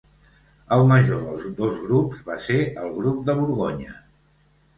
El major dels dos grups va ser el grup de Borgonya.